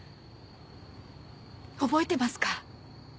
覚えてますか？